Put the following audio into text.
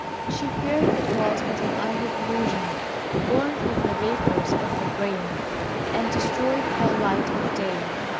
She feared it was but an idle illusion, born of the vapours of the brain, and destroyed by light of day.